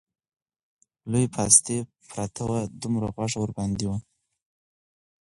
لوی پاستي پراته وو، دومره غوښه ورباندې وه